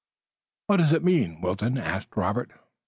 "What does it mean?" Wilton asked Robert.